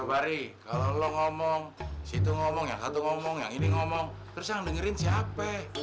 eh sobari kalau lo ngomong disitu ngomong yang satu ngomong yang ini ngomong terus jangan dengerin si hp